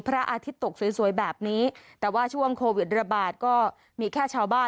พระอาทิตย์ตกสวยสวยแบบนี้แต่ว่าช่วงโควิดระบาดก็มีแค่ชาวบ้าน